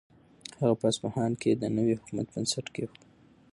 هغه په اصفهان کې د نوي حکومت بنسټ کېښود.